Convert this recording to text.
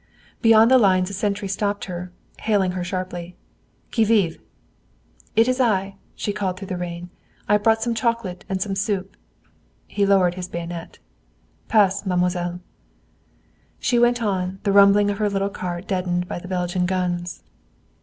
Beyond the lines a sentry stopped her, hailing her sharply. "Qui vive?" "It is I," she called through the rain. "I have brought some chocolate and some soup." He lowered his bayonet. "Pass, mademoiselle." She went on, the rumbling of her little cart deadened by the Belgian guns.